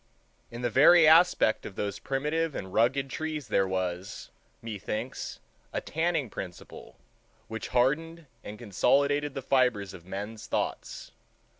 In the very aspect of those primitive and rugged trees there was, methinks, a tanning principle which hardened and consolidated the fibers of men's thoughts.